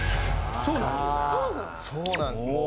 そうなんですもう。